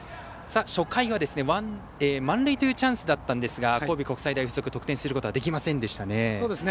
初回は、満塁というチャンスでしたが神戸国際大付属、得点することができませんでしたね。